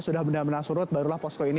sudah benar benar surut barulah posko ini